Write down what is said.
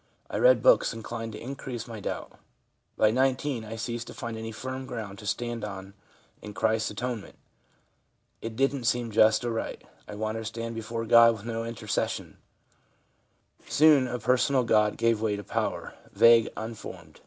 I read books inclined to increase my doubt. By 19 I ceased to find any firm ground to stand on in Christ's atonement; it didn't seem just or right I wanted to stand before God with no intercession* Soon a personal God gave way to power — vague, un formed.